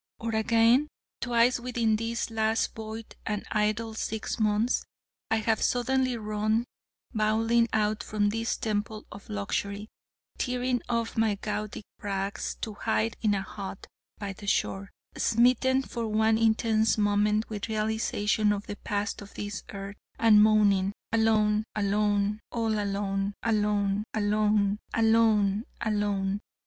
Or again twice within these last void and idle six months I have suddenly run, bawling out, from this temple of luxury, tearing off my gaudy rags, to hide in a hut by the shore, smitten for one intense moment with realisation of the past of this earth, and moaning: 'alone, alone ... all alone, alone, alone ... alone, alone....'